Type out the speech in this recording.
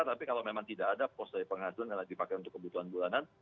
tapi kalau memang tidak ada pos dari penghasilan yang dipakai untuk kebutuhan bulanan